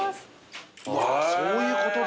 そういうことだ。